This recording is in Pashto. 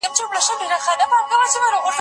ستا کورنۍ زما دوستان دي او زما فامیل ستا فامیل دی.